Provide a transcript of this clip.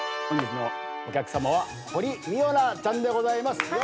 本日のお客さまは堀未央奈ちゃんでございます。